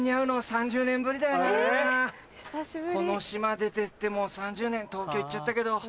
この島出てってもう３０年東京行っちゃったけど。